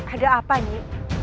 ada apa ji